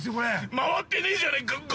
◆回ってねえじゃねえか。